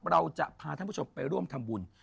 เราจะพาท่านผู้ชมไปร่วมทำบุญ